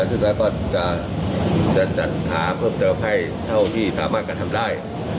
ซึ่งแล้วก็จะจัดหาเพิ่มเติมให้เท่าที่สามารถกระทำได้